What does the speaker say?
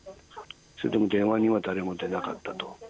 それでも電話には誰も出なかったと。